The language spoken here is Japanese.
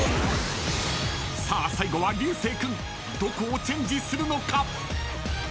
［さあ最後は流星君どこをチェンジするのか？］